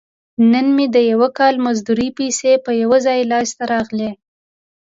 نن مې د یو کال مزدورۍ پیسې په یو ځای لاس ته راغلي.